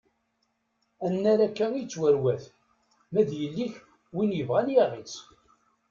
Annar akka i yettwarwat ma d yelli-k wi yebɣun yaɣ-itt!